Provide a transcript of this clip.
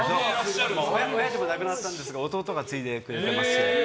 親は亡くなったんですが弟が継いでくれてます。